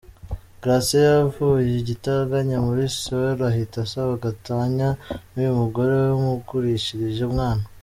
Garcia yavuye igitaraganya muri Seoul ahita asaba gatanya n’uyu mugore we wamugurishirije umwana.